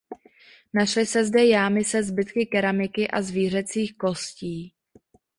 Našly se zde jámy se zbytky keramiky a zvířecích kostí.